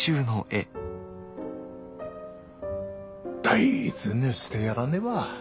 大事にしてやらねば。